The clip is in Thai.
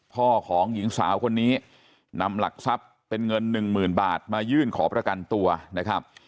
พ่อของหญิงสาวคนนี้นำหลักทรัพย์เป็นเงินหนึ่งหมื่นบาทมายื่นขอประกันตัวนะครับ